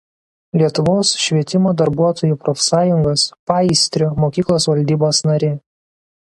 Lietuvos švietimo darbuotojų profsąjungos Paįstrio mokyklos valdybos narė.